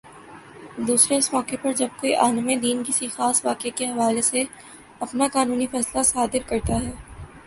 دوسرے اس موقع پر جب کوئی عالمِ دین کسی خاص واقعے کے حوالے سے اپنا قانونی فیصلہ صادر کرتا ہے